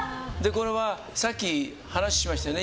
これは、さっき話しましたよね